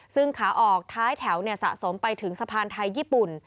ซึ่งขาออกท้ายแถวสะสมไปถึงสะพานไทยญี่ปุ่น